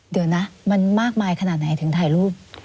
เดี๋ยวนะมันมากมายขนาดไหนถึงถ่ายรูป